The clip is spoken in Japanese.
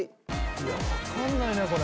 いやわかんないねこれ。